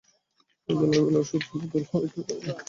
এবেলা ওবেলা ওষুধ বদল হইতে লাগিল।